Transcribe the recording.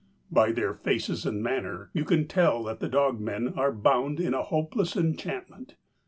By their faces and manner you can tell that the dogmen are bound in a hopeless enchantment.